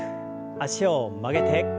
脚を曲げて。